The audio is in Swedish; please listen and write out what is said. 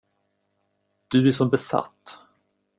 Du är som besatt.